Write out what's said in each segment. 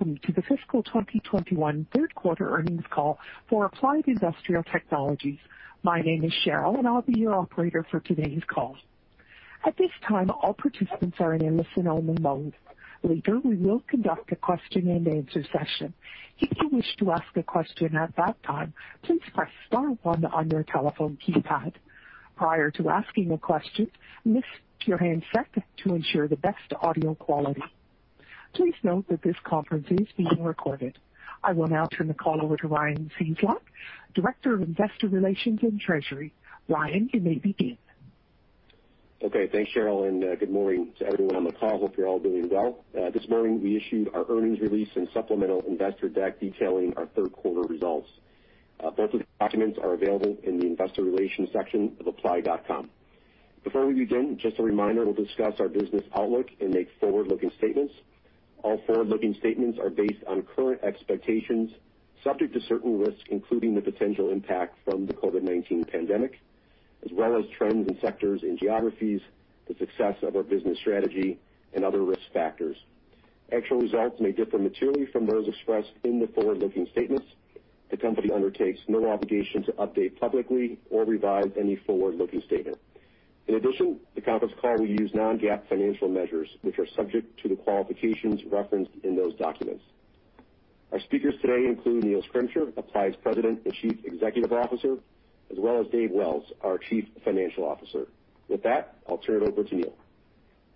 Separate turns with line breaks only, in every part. Welcome to the fiscal 2021 third quarter earnings call for Applied Industrial Technologies. My name is Cheryl, and I'll be your Operator for today's call. At this time, all participants are in a listen-only mode. Later, we will conduct a question-and-answer session. If you wish to ask a question at that time, please press star one on your telephone keypad. Prior to asking a question, mute your handset to ensure the best audio quality. Please note that this conference is being recorded. I will now turn the call over to Ryan Cieslak, Director of Investor Relations and Treasury. Ryan, you may begin.
Okay. Thanks, Cheryl, and good morning to everyone on the call. Hope you're all doing well. This morning, we issued our earnings release and supplemental investor deck detailing our third quarter results. Both of the documents are available in the investor relations section of applied.com. Before we begin, just a reminder, we'll discuss our business outlook and make forward-looking statements. All forward-looking statements are based on current expectations, subject to certain risks, including the potential impact from the COVID-19 pandemic, as well as trends and sectors and geographies, the success of our business strategy, and other risk factors. Actual results may differ materially from those expressed in the forward-looking statements. The company undertakes no obligation to update publicly or revise any forward-looking statement. In addition, the conference call will use non-GAAP financial measures, which are subject to the qualifications referenced in those documents. Our speakers today include Neil Schrimsher, Applied's President and Chief Executive Officer, as well as Dave Wells, our Chief Financial Officer. With that, I'll turn it over to Neil.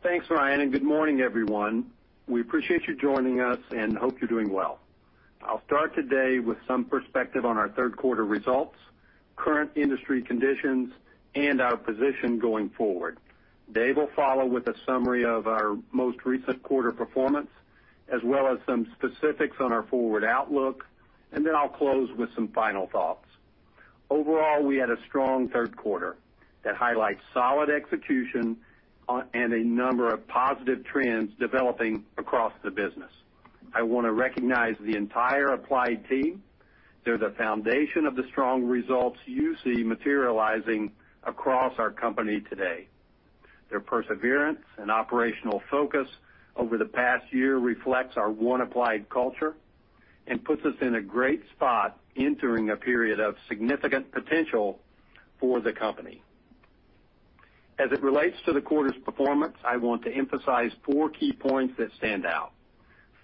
Thanks, Ryan, good morning everyone? We appreciate you joining us and hope you're doing well. I'll start today with some perspective on our third quarter results, current industry conditions, and our position going forward. Dave will follow with a summary of our most recent quarter performance, as well as some specifics on our forward outlook, and then I'll close with some final thoughts. Overall, we had a strong third quarter that highlights solid execution and a number of positive trends developing across the business. I want to recognize the entire Applied team. They're the foundation of the strong results you see materializing across our company today. Their perseverance and operational focus over the past year reflects our One Applied culture and puts us in a great spot entering a period of significant potential for the company. As it relates to the quarter's performance, I want to emphasize four key points that stand out.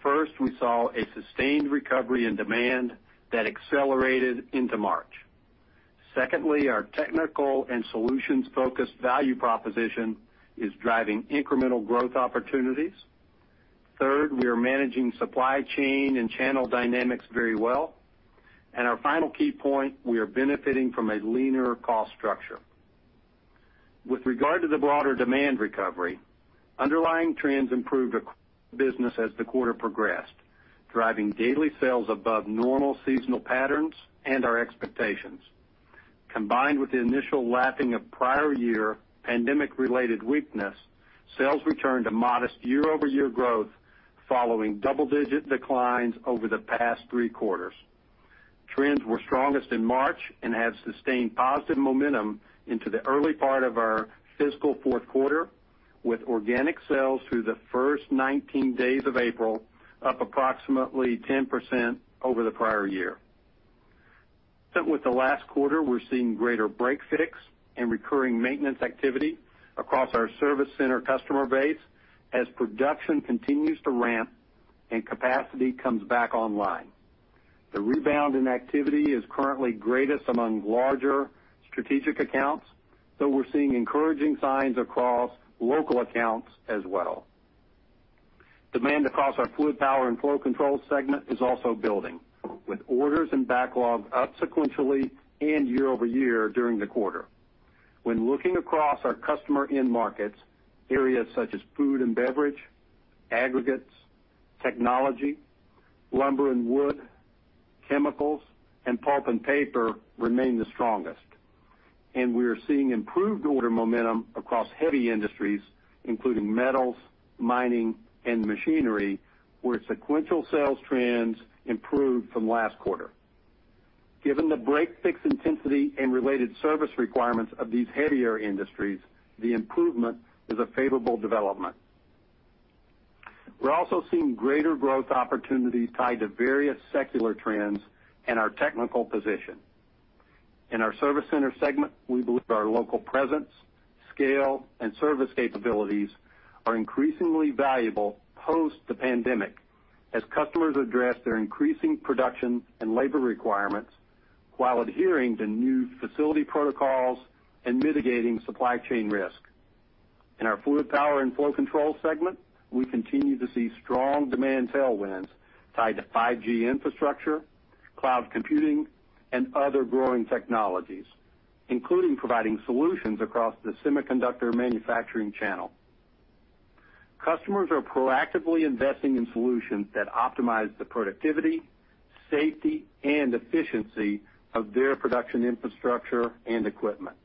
First, we saw a sustained recovery in demand that accelerated into March. Secondly, our technical and solutions-focused value proposition is driving incremental growth opportunities. Third, we are managing supply chain and channel dynamics very well. Our final key point, we are benefiting from a leaner cost structure. With regard to the broader demand recovery, underlying trends improved across the business as the quarter progressed, driving daily sales above normal seasonal patterns and our expectations. Combined with the initial lapping of prior year pandemic-related weakness, sales returned to modest year-over-year growth following double-digit declines over the past three quarters. Trends were strongest in March and have sustained positive momentum into the early part of our fiscal fourth quarter, with organic sales through the first 19 days of April up approximately 10% over the prior year. With the last quarter, we're seeing greater break-fix and recurring maintenance activity across our service center customer base as production continues to ramp and capacity comes back online. The rebound in activity is currently greatest among larger strategic accounts, though we're seeing encouraging signs across local accounts as well. Demand across our Fluid Power and Flow Control segment is also building, with orders and backlog up sequentially and year-over-year during the quarter. Looking across our customer end markets, areas such as food and beverage, aggregates, technology, lumber and wood, chemicals, and pulp and paper remain the strongest. We are seeing improved order momentum across heavy industries, including metals, mining, and machinery, where sequential sales trends improved from last quarter. Given the break-fix intensity and related service requirements of these heavier industries, the improvement is a favorable development. We are also seeing greater growth opportunities tied to various secular trends and our technical position. In our service center segment, we believe our local presence, scale, and service capabilities are increasingly valuable post the pandemic as customers address their increasing production and labor requirements while adhering to new facility protocols and mitigating supply chain risk. In our fluid power and flow control segment, we continue to see strong demand tailwinds tied to 5G infrastructure, cloud computing, and other growing technologies, including providing solutions across the semiconductor manufacturing channel. Customers are proactively investing in solutions that optimize the productivity, safety, and efficiency of their production infrastructure and equipment.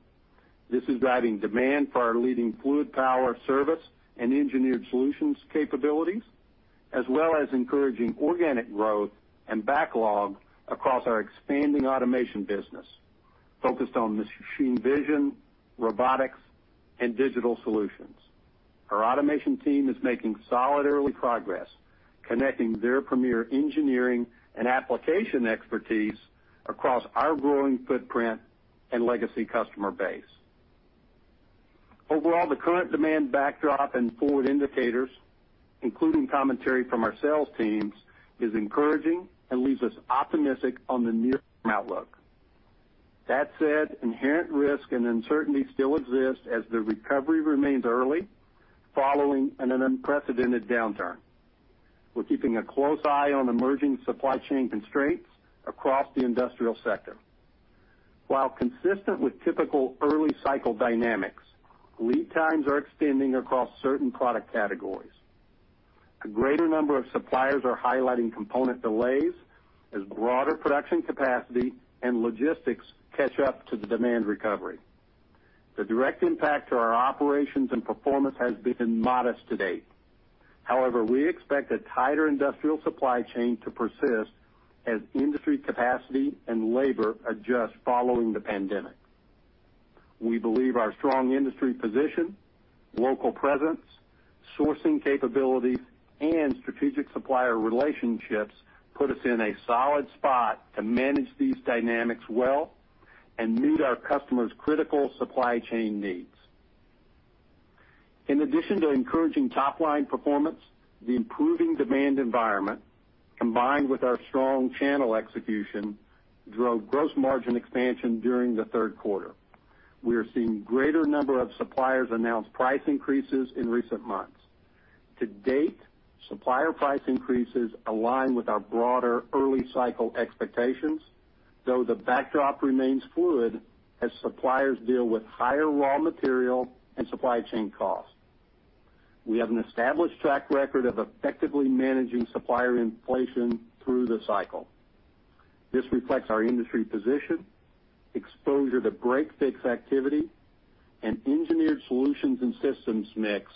This is driving demand for our leading fluid power service and engineered solutions capabilities, as well as encouraging organic growth and backlog across our expanding automation business. Focused on machine vision, robotics, and digital solutions. Our automation team is making solid early progress, connecting their premier engineering and application expertise across our growing footprint and legacy customer base. Overall, the current demand backdrop and forward indicators, including commentary from our sales teams, is encouraging and leaves us optimistic on the near term outlook. That said, inherent risk and uncertainty still exist as the recovery remains early, following an unprecedented downturn. We're keeping a close eye on emerging supply chain constraints across the industrial sector. While consistent with typical early cycle dynamics, lead times are extending across certain product categories. A greater number of suppliers are highlighting component delays as broader production capacity and logistics catch up to the demand recovery. The direct impact to our operations and performance has been modest to date. However, we expect a tighter industrial supply chain to persist as industry capacity and labor adjust following the pandemic. We believe our strong industry position, local presence, sourcing capabilities, and strategic supplier relationships put us in a solid spot to manage these dynamics well and meet our customers' critical supply chain needs. In addition to encouraging top-line performance, the improving demand environment, combined with our strong channel execution, drove gross margin expansion during the third quarter. We are seeing greater number of suppliers announce price increases in recent months. To date, supplier price increases align with our broader early cycle expectations, though the backdrop remains fluid as suppliers deal with higher raw material and supply chain costs. We have an established track record of effectively managing supplier inflation through the cycle. This reflects our industry position, exposure to break-fix activity, and engineered solutions and systems mix,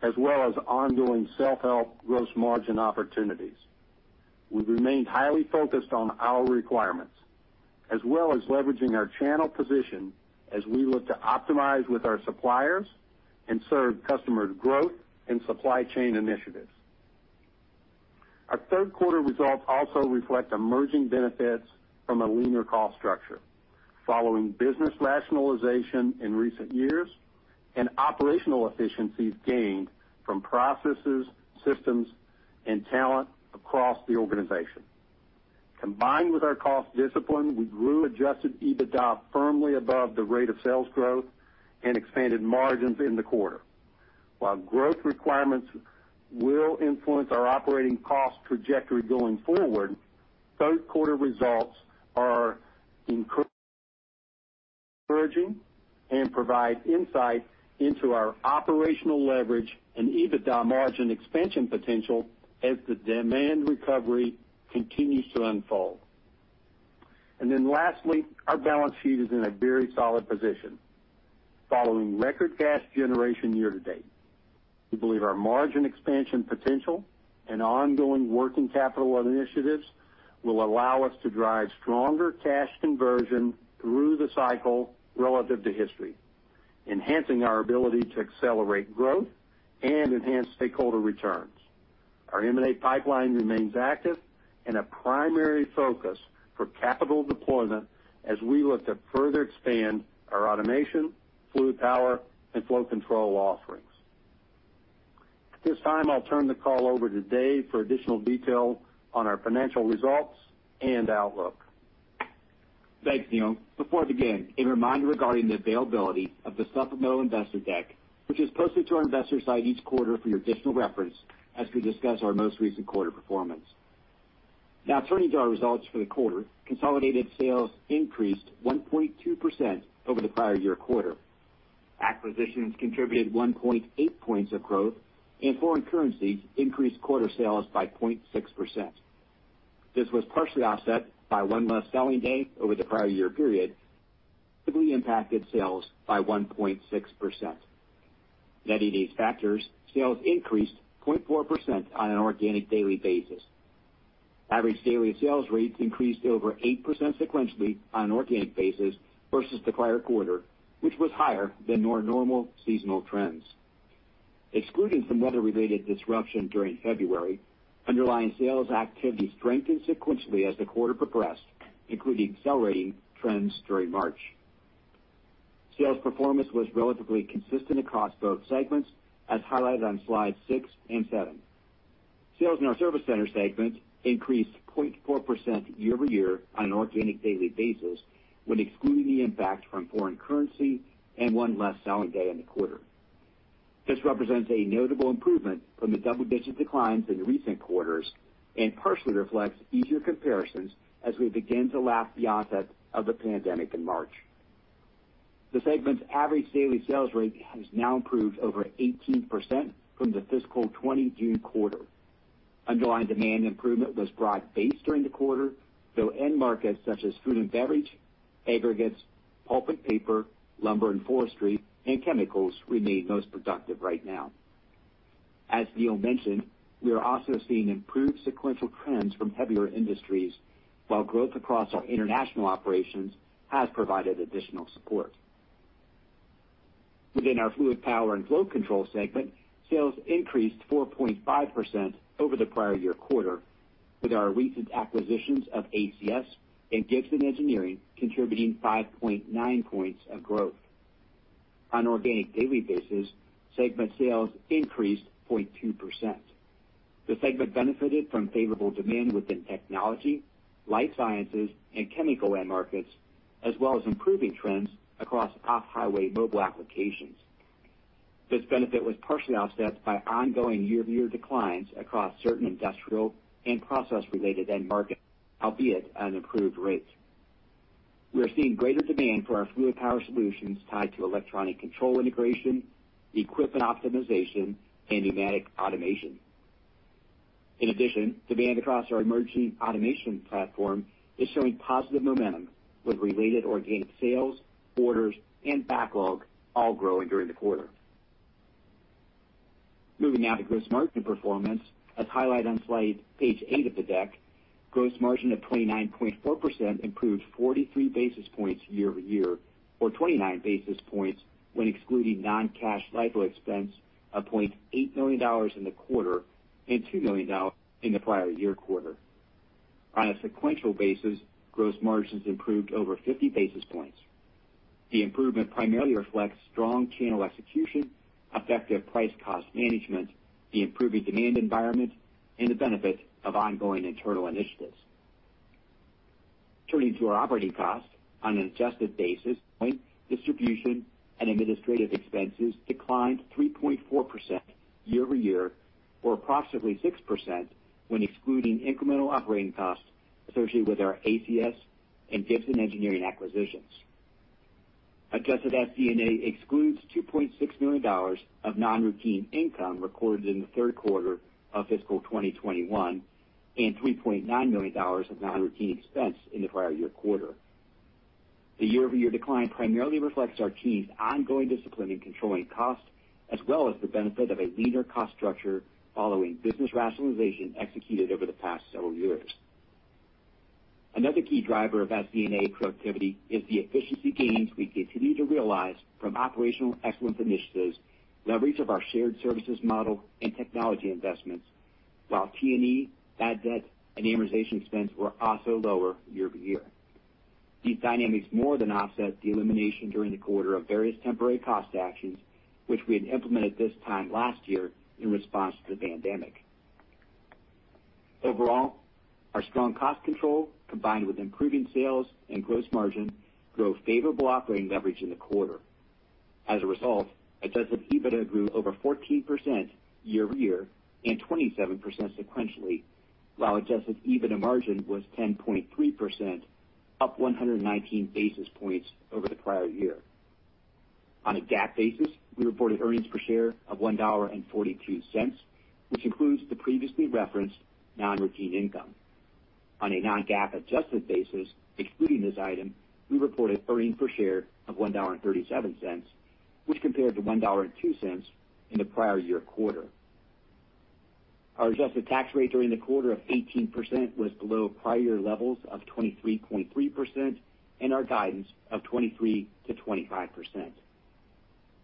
as well as ongoing self-help gross margin opportunities. We've remained highly focused on our requirements, as well as leveraging our channel position as we look to optimize with our suppliers and serve customers' growth and supply chain initiatives. Our third quarter results also reflect emerging benefits from a leaner cost structure following business rationalization in recent years and operational efficiencies gained from processes, systems, and talent across the organization. Combined with our cost discipline, we grew adjusted EBITDA firmly above the rate of sales growth and expanded margins in the quarter. While growth requirements will influence our operating cost trajectory going forward, third quarter results are encouraging and provide insight into our operational leverage and EBITDA margin expansion potential as the demand recovery continues to unfold. Lastly, our balance sheet is in a very solid position following record cash generation year to date. We believe our margin expansion potential and ongoing working capital initiatives will allow us to drive stronger cash conversion through the cycle relative to history, enhancing our ability to accelerate growth and enhance stakeholder returns. Our M&A pipeline remains active and a primary focus for capital deployment as we look to further expand our automation, fluid power, and flow control offerings. At this time, I'll turn the call over to Dave for additional detail on our financial results and outlook.
Thanks, Neil. Before I begin, a reminder regarding the availability of the supplemental investor deck, which is posted to our investor site each quarter for your additional reference as we discuss our most recent quarter performance. Turning to our results for the quarter, consolidated sales increased 1.2% over the prior year quarter. Acquisitions contributed 1.8 points of growth, foreign currencies increased quarter sales by 0.6%. This was partially offset by one less selling day over the prior year period, negatively impacted sales by 1.6%. Netting these factors, sales increased 0.4% on an organic daily basis. Average daily sales rates increased over 8% sequentially on an organic basis versus the prior quarter, which was higher than our normal seasonal trends. Excluding some weather-related disruption during February, underlying sales activity strengthened sequentially as the quarter progressed, including accelerating trends during March. Sales performance was relatively consistent across both segments, as highlighted on slides six and seven. Sales in our service center segment increased 0.4% year-over-year on an organic daily basis, when excluding the impact from foreign currency and one less selling day in the quarter. This represents a notable improvement from the double-digit declines in recent quarters and partially reflects easier comparisons as we begin to lap the onset of the pandemic in March. The segment's average daily sales rate has now improved over 18% from the fiscal 2020 June quarter. Underlying demand improvement was broad-based during the quarter, though end markets such as food and beverage, aggregates, pulp and paper, lumber and forestry, and chemicals remain most productive right now. As Neil mentioned, we are also seeing improved sequential trends from heavier industries, while growth across our international operations has provided additional support. Within our fluid power and flow control segment, sales increased 4.5% over the prior year quarter, with our recent acquisitions of ACS and Gibson Engineering contributing 5.9 points of growth. On organic daily basis, segment sales increased 0.2%. The segment benefited from favorable demand within technology, life sciences, and chemical end markets, as well as improving trends across off-highway mobile applications. This benefit was partially offset by ongoing year-over-year declines across certain industrial and process-related end markets, albeit at an improved rate. We are seeing greater demand for our fluid power solutions tied to electronic control integration, equipment optimization, and pneumatic automation. In addition, demand across our emerging automation platform is showing positive momentum with related organic sales, orders, and backlog all growing during the quarter. Moving now to gross margin performance, as highlighted on slide page eight of the deck. Gross margin of 29.4% improved 43 basis points year-over-year or 29 basis points when excluding non-cash LIFO expense of $0.8 million in the quarter and $2 million in the prior year quarter. On a sequential basis, gross margins improved over 50 basis points. The improvement primarily reflects strong channel execution, effective price-cost management, the improving demand environment, and the benefit of ongoing internal initiatives. Turning to our operating costs. On an adjusted basis, point distribution and administrative expenses declined 3.4% year-over-year or approximately 6% when excluding incremental operating costs associated with our ACS and Gibson Engineering acquisitions. Adjusted SD&A excludes $2.6 million of non-routine income recorded in the third quarter of fiscal 2021 and $3.9 million of non-routine expense in the prior year quarter. The year-over-year decline primarily reflects our team's ongoing discipline in controlling costs, as well as the benefit of a leaner cost structure following business rationalization executed over the past several years. Another key driver of SD&A productivity is the efficiency gains we continue to realize from operational excellence initiatives, leverage of our shared services model and technology investments, while T&E, bad debt, and amortization expense were also lower year-over-year. These dynamics more than offset the elimination during the quarter of various temporary cost actions, which we had implemented this time last year in response to the pandemic. Overall, our strong cost control, combined with improving sales and gross margin, grow favorable operating leverage in the quarter. As a result, adjusted EBITDA grew over 14% year-over-year and 27% sequentially, while adjusted EBITDA margin was 10.3%, up 119 basis points over the prior year. On a GAAP basis, we reported earnings per share of $1.42, which includes the previously referenced non-routine income. On a non-GAAP adjusted basis, excluding this item, we reported earnings per share of $1.37, which compared to $1.02 in the prior year quarter. Our adjusted tax rate during the quarter of 18% was below prior levels of 23.3% and our guidance of 23%-25%.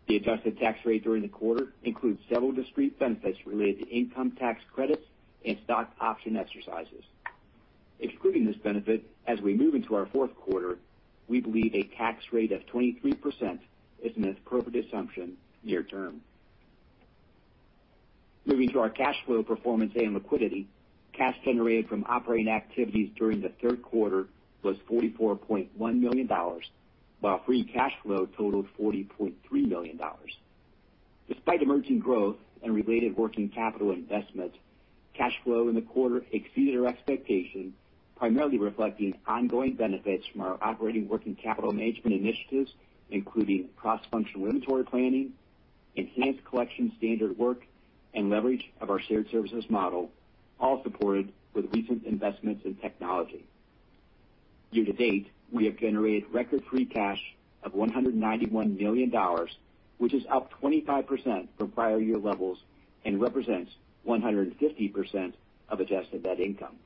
The adjusted tax rate during the quarter includes several discrete benefits related to income tax credits and stock option exercises. Excluding this benefit, as we move into our fourth quarter, we believe a tax rate of 23% is an appropriate assumption near-term. Moving to our cash flow performance and liquidity. Cash generated from operating activities during the third quarter was $44.1 million, while free cash flow totaled $40.3 million. Despite emerging growth and related working capital investments, cash flow in the quarter exceeded our expectations, primarily reflecting ongoing benefits from our operating working capital management initiatives, including cross-functional inventory planning, enhanced collection standard work, and leverage of our shared services model, all supported with recent investments in technology. Year-to-date, we have generated record free cash of $191 million, which is up 25% from prior year levels and represents 150% of adjusted net income.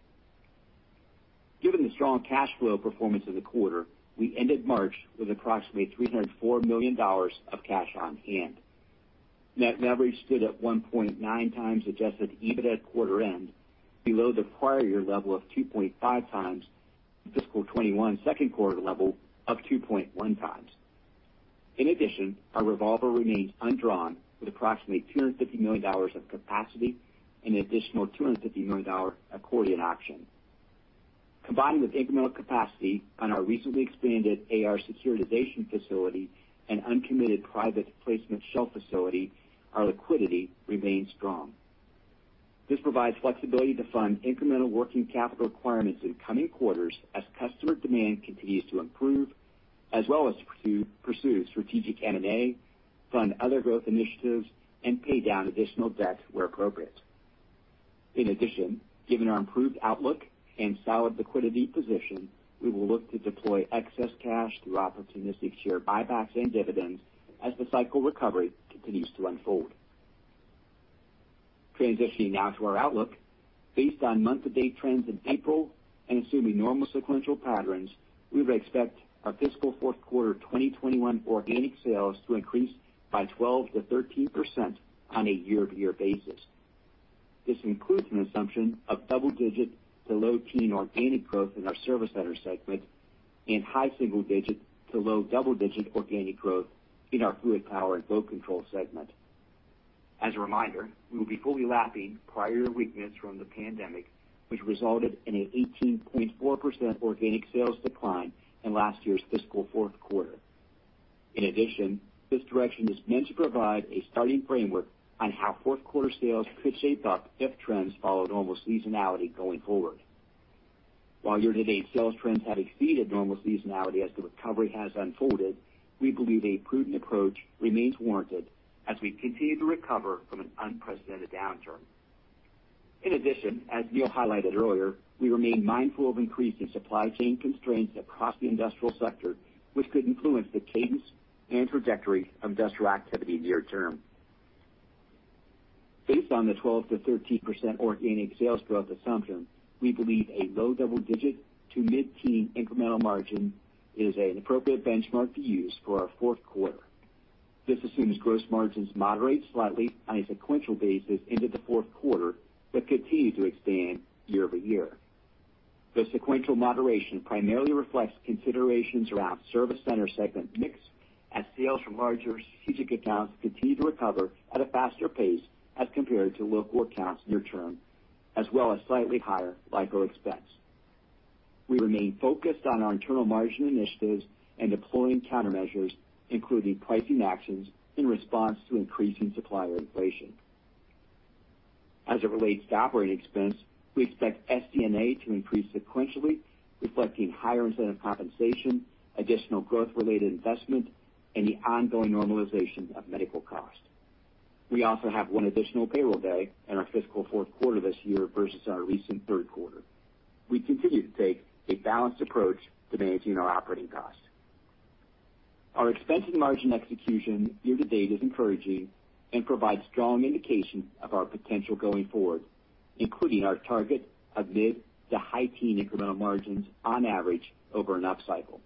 Given the strong cash flow performance in the quarter, we ended March with approximately $304 million of cash on hand. Net leverage stood at 1.9x adjusted EBITDA at quarter end, below the prior year level of 2.5x the fiscal 2021 second quarter level of 2.1x. In addition, our revolver remains undrawn with approximately $250 million of capacity and an additional $250 million accordion option. Combined with incremental capacity on our recently expanded AR securitization facility and uncommitted private placement shelf facility, our liquidity remains strong. This provides flexibility to fund incremental working capital requirements in coming quarters as customer demand continues to improve, as well as to pursue strategic M&A, fund other growth initiatives, and pay down additional debt where appropriate. In addition, given our improved outlook and solid liquidity position, we will look to deploy excess cash through opportunistic share buybacks and dividends as the cycle recovery continues to unfold. Transitioning now to our outlook. Based on month-to-date trends in April and assuming normal sequential patterns, we would expect our fiscal fourth quarter 2021 organic sales to increase by 12%-13% on a year-over-year basis. This includes an assumption of double-digit to low-teen organic growth in our Service Center segment and high-single-digit to low-double-digit organic growth in our Fluid Power and Flow Control segment. As a reminder, we will be fully lapping prior weakness from the pandemic, which resulted in an 18.4% organic sales decline in last year's fiscal fourth quarter. In addition, this direction is meant to provide a starting framework on how fourth quarter sales could shape up if trends follow normal seasonality going forward. While year-to-date sales trends have exceeded normal seasonality as the recovery has unfolded, we believe a prudent approach remains warranted as we continue to recover from an unprecedented downturn. In addition, as Neil highlighted earlier, we remain mindful of increasing supply chain constraints across the industrial sector, which could influence the cadence and trajectory of industrial activity near term. Based on the 12%-13% organic sales growth assumption, we believe a low double-digit to mid-teen incremental margin is an appropriate benchmark to use for our fourth quarter. This assumes gross margins moderate slightly on a sequential basis into the fourth quarter but continue to expand year-over-year. The sequential moderation primarily reflects considerations around service center segment mix as sales from larger strategic accounts continue to recover at a faster pace as compared to local accounts near term, as well as slightly higher LIFO expense. We remain focused on our internal margin initiatives and deploying countermeasures, including pricing actions in response to increasing supplier inflation. As it relates to operating expense, we expect SD&A to increase sequentially, reflecting higher incentive compensation, additional growth-related investment, and the ongoing normalization of medical costs. We also have one additional payroll day in our fiscal fourth quarter this year versus our recent third quarter. We continue to take a balanced approach to managing our operating costs. Our expense and margin execution year to date is encouraging and provides strong indication of our potential going forward, including our target of mid to high teen incremental margins on average over an up cycle.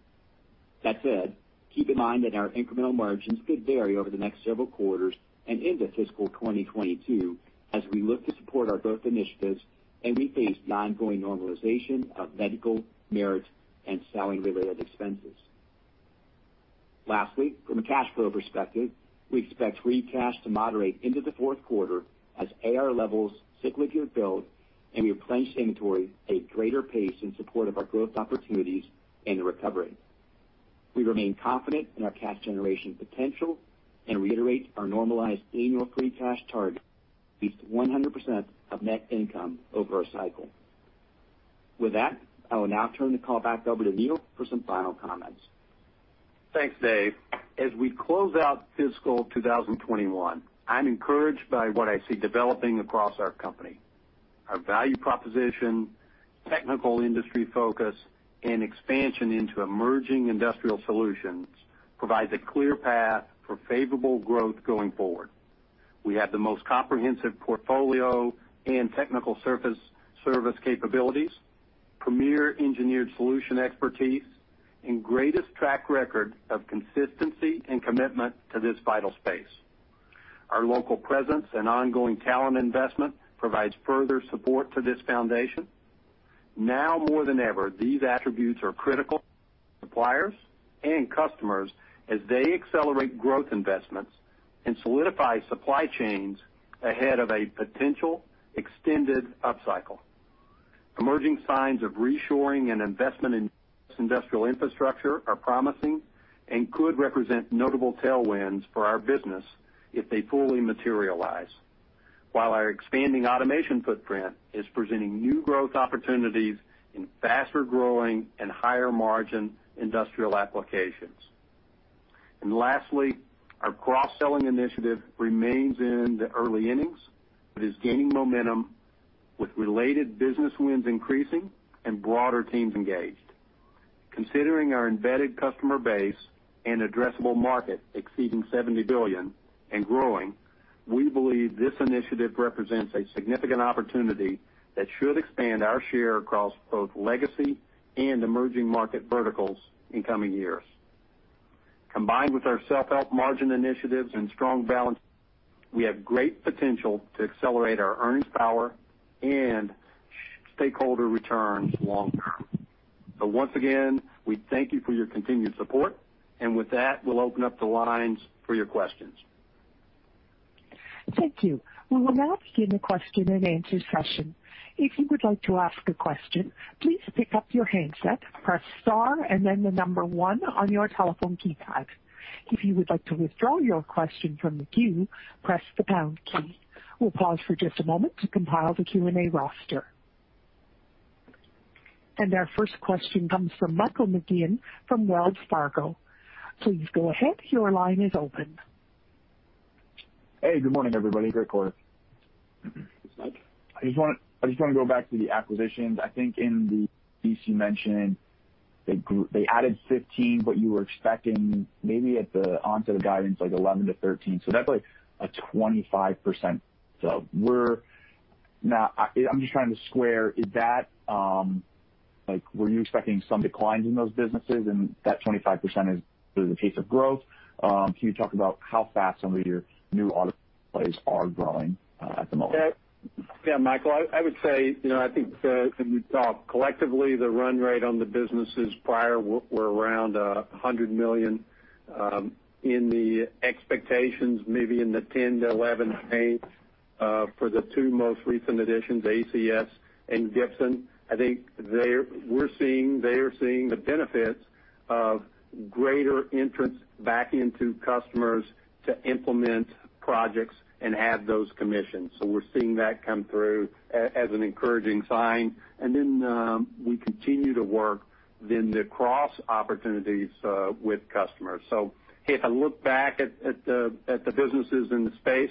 That said, keep in mind that our incremental margins could vary over the next several quarters and into fiscal 2022 as we look to support our growth initiatives and we face the ongoing normalization of medical, merit, and salary-related expenses. Lastly, from a cash flow perspective, we expect free cash to moderate into the fourth quarter as AR levels cyclically build and we replenish inventory at a greater pace in support of our growth opportunities and the recovery. We remain confident in our cash generation potential and reiterate our normalized annual free cash target, at least 100% of net income over a cycle. With that, I will now turn the call back over to Neil for some final comments.
Thanks, Dave. As we close out fiscal 2021, I'm encouraged by what I see developing across our company. Our value proposition, technical industry focus, and expansion into emerging industrial solutions provides a clear path for favorable growth going forward. We have the most comprehensive portfolio and technical service capabilities, premier engineered solution expertise, and greatest track record of consistency and commitment to this vital space. Our local presence and ongoing talent investment provides further support to this foundation. Now more than ever, these attributes are critical for suppliers and customers as they accelerate growth investments and solidify supply chains ahead of a potential extended up cycle. Emerging signs of reshoring and investment in industrial infrastructure are promising and could represent notable tailwinds for our business if they fully materialize. While our expanding automation footprint is presenting new growth opportunities in faster-growing and higher-margin industrial applications. Lastly, our cross-selling initiative remains in the early innings but is gaining momentum with related business wins increasing and broader teams engaged. Considering our embedded customer base and addressable market exceeding $70 billion and growing, we believe this initiative represents a significant opportunity that should expand our share across both legacy and emerging market verticals in coming years. Combined with our self-help margin initiatives and strong balance sheet, we have great potential to accelerate our earnings power and stakeholder returns long term. Once again, we thank you for your continued support. With that, we'll open up the lines for your questions.
Thank you. We will now begin the question-and-answer session. If you would like to ask a question, please pick up your handset, press star, and then the number one on your telephone keypad. If you would like to withdraw your question from the queue, press the pound key. We'll pause for just a moment to compile the Q&A roster. Our first question comes from Michael McGinn from Wells Fargo, please go ahead. Your line is open.
Hey, good morning everybody? Great quarter.
Thanks, Michael.
I just want to go back to the acquisitions. I think in the [D.C.] mention, they added 15%, but you were expecting maybe at the onset of guidance, like 11%-13%. That's like a 25% jump. Now, I'm just trying to square, were you expecting some declines in those businesses and that 25% is the pace of growth? Can you talk about how fast some of your new auto plays are growing at the moment?
Yeah, Michael, I would say, I think as we talk collectively, the run rate on the businesses prior were around $100 million in the expectations, maybe in the 10-11 range for the two most recent additions, ACS and Gibson. I think they are seeing the benefits of greater interest back into customers to implement projects and add those commissions. We're seeing that come through as an encouraging sign, and then we continue to work then the cross opportunities with customers. If I look back at the businesses in the space,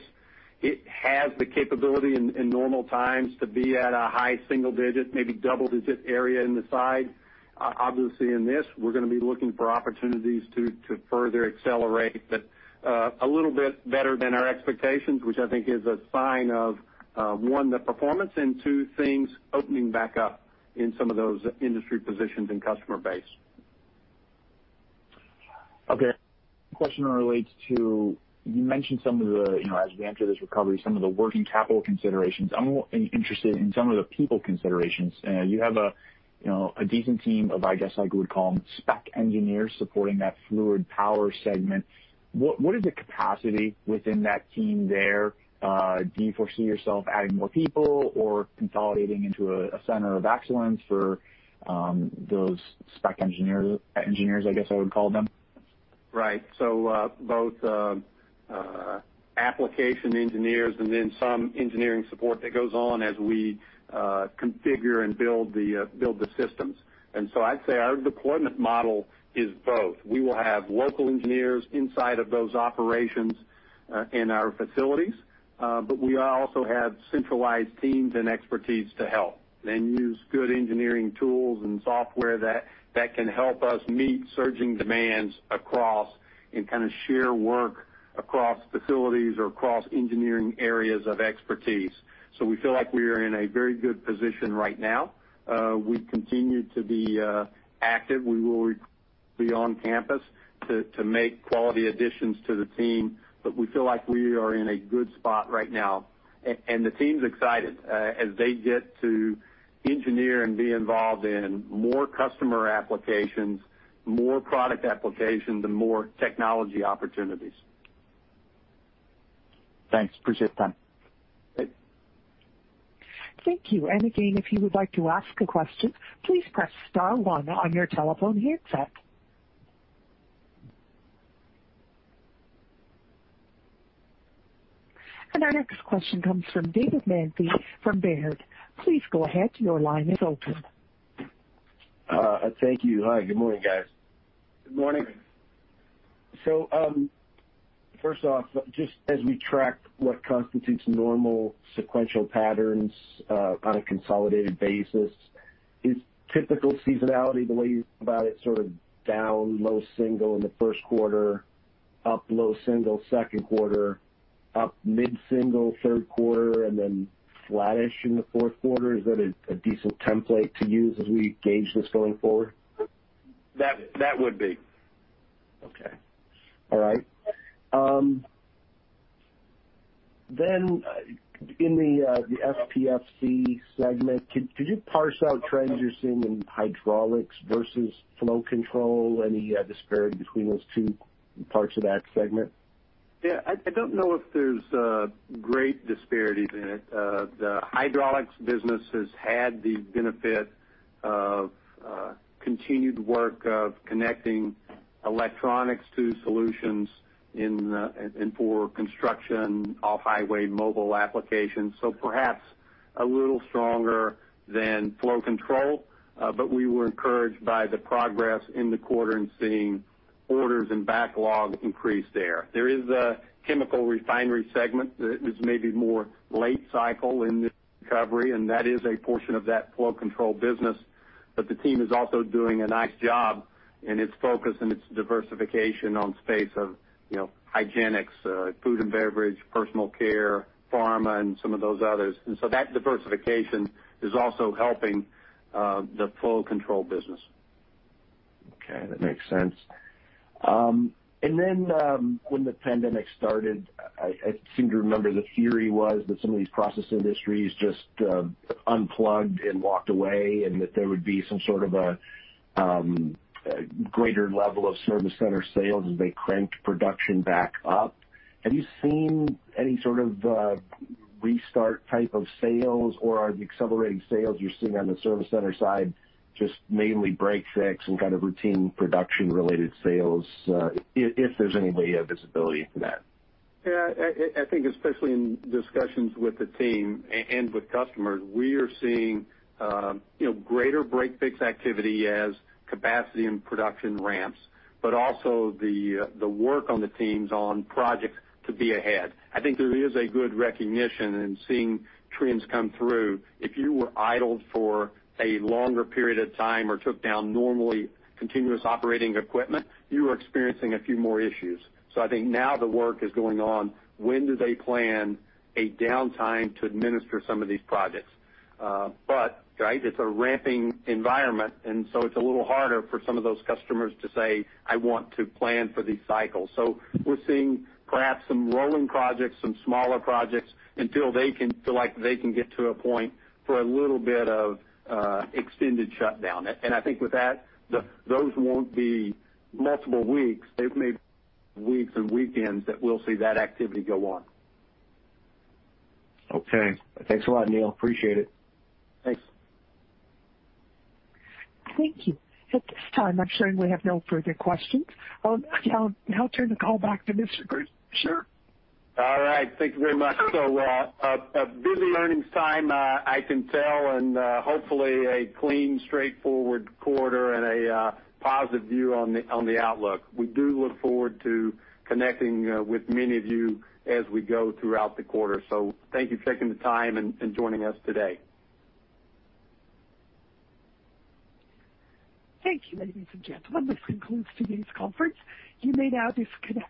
it has the capability in normal times to be at a high single digit, maybe double digit area in the side. Obviously, in this, we're going to be looking for opportunities to further accelerate that a little bit better than our expectations, which I think is a sign of one, the performance and two, things opening back up in some of those industry positions and customer base.
Question relates to, you mentioned some of the, as we enter this recovery, some of the working capital considerations. I'm interested in some of the people considerations. You have a decent team of, I guess I would call them spec engineers supporting that fluid power segment. What is the capacity within that team there? Do you foresee yourself adding more people or consolidating into a center of excellence for those spec engineers, I guess I would call them?
Right. Both application engineers and then some engineering support that goes on as we configure and build the systems. I'd say our deployment model is both. We will have local engineers inside of those operations in our facilities. We also have centralized teams and expertise to help. They use good engineering tools and software that can help us meet surging demands across and kind of share work across facilities or across engineering areas of expertise. We feel like we are in a very good position right now. We continue to be active. We will be on campus to make quality additions to the team. We feel like we are in a good spot right now, and the team's excited as they get to engineer and be involved in more customer applications, more product applications, and more technology opportunities.
Thanks. Appreciate the time.
Thanks.
Thank you. Again, if you would like to ask a question, please press star one on your telephone handset. Our next question comes from David Manthey from Baird. Please go ahead, your line is open.
Thank you. Hi, good morning guys?
Good morning.
first off, just as we track what constitutes normal sequential patterns on a consolidated basis, is typical seasonality the way you think about it sort of down low single in the first quarter, up low single second quarter, up mid-single third quarter, and then flattish in the fourth quarter? Is that a decent template to use as we gauge this going forward?
That would be.
Okay. All right. In the FPFC segment, could you parse out trends you're seeing in hydraulics versus flow control? Any disparity between those two parts of that segment?
Yeah, I don't know if there's great disparities in it. The hydraulics business has had the benefit of continued work of connecting electronics to solutions and for construction off-highway mobile applications. Perhaps a little stronger than flow control. We were encouraged by the progress in the quarter and seeing orders and backlog increase there. There is a chemical refinery segment that is maybe more late cycle in this recovery, and that is a portion of that flow control business. The team is also doing a nice job in its focus and its diversification on space of hygienics, food and beverage, personal care, pharma, and some of those others. That diversification is also helping the flow control business.
Okay. That makes sense. When the pandemic started, I seem to remember the theory was that some of these process industries just unplugged and walked away, and that there would be some sort of a greater level of service center sales as they cranked production back up. Have you seen any sort of restart type of sales, or are the accelerating sales you're seeing on the service center side just mainly break/fix and kind of routine production related sales? If there's any way you have visibility to that.
Yeah, I think especially in discussions with the team and with customers, we are seeing greater break/fix activity as capacity and production ramps, but also the work on the teams on projects to be ahead. I think there is a good recognition and seeing trends come through. If you were idled for a longer period of time or took down normally continuous operating equipment, you were experiencing a few more issues. I think now the work is going on. When do they plan a downtime to administer some of these projects? It's a ramping environment, and so it's a little harder for some of those customers to say, "I want to plan for these cycles." We're seeing perhaps some rolling projects, some smaller projects until they can feel like they can get to a point for a little bit of extended shutdown. I think with that, those won't be multiple weeks. They may be weeks and weekends that we'll see that activity go on.
Okay. Thanks a lot, Neil. Appreciate it.
Thanks.
Thank you. At this time, I'm showing we have no further questions. I'll now turn the call back to Mr. Schrimsher. Sir?
All right. Thank you very much. A busy earnings time I can tell, and hopefully a clean, straightforward quarter and a positive view on the outlook. We do look forward to connecting with many of you as we go throughout the quarter. Thank you for taking the time and joining us today.
Thank you, ladies and gentlemen. This concludes today's conference, you may now disconnect.